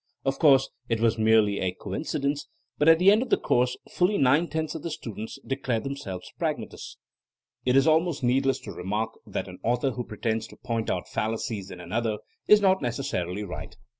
Of course it was merely a coincidence, but at the end of the course fully nine tenths of the students declared themselves Pragmatists 1 It is almost needless to remark that an author who pretends to point out fallacies in another is not necessarily right.